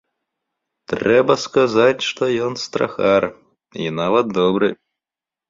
Трэба сказаць, што ён страхар, і нават добры.